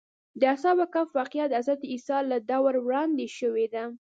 د اصحاب کهف واقعه د حضرت عیسی له دور وړاندې شوې ده.